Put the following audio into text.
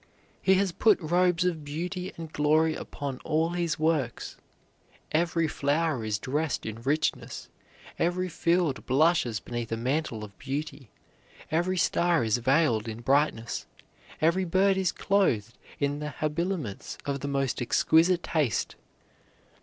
He has put robes of beauty and glory upon all his works. Every flower is dressed in richness; every field blushes beneath a mantle of beauty; every star is veiled in brightness; every bird is clothed in the habiliments of the most exquisite taste.